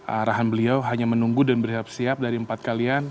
arahan beliau hanya menunggu dan bersiap siap dari empat kalian